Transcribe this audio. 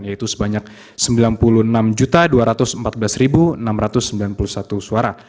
yaitu sebanyak sembilan puluh enam dua ratus empat belas enam ratus sembilan puluh satu suara